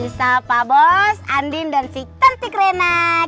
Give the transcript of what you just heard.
sisa pak bos andin dan si tante krenak